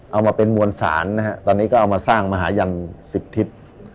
เอามาเป็นมวลศาลนะฮะตอนนี้ก็เอามาสร้างมหายัน๑๐ทิศ